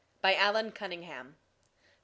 Allan Cunningham CCV.